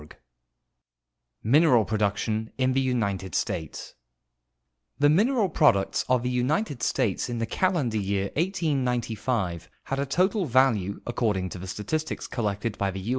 418. MINERAL PRODUCTION IN THE UNITED STATES The mineral products of the United States in the calendar year 1895 had a total value, according to the statistics collected by the U.